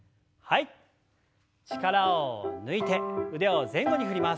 力を抜いて腕を前後に振ります。